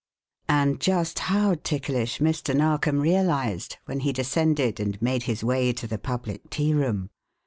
And just how ticklish Mr. Narkom realized when he descended and made his way to the public tearoom.